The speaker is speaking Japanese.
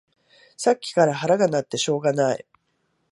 さっきから腹が鳴ってしょうがない